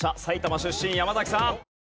埼玉出身山崎さん。